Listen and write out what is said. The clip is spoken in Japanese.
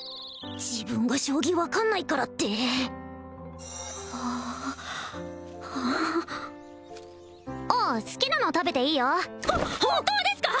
自分が将棋分かんないからってあっ好きなの食べていいよほ本当ですか！？